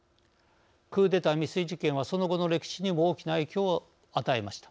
クーデター未遂事件はその後の歴史にも大きな影響を与えました。